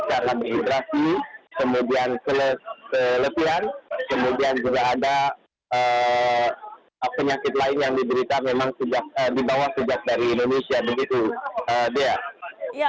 karena dihidrasi kelepian kemudian juga ada penyakit lain yang diberikan memang di bawah sejak dari indonesia